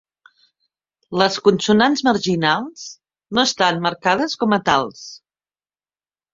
Les consonants marginals no estan marcades com a tals.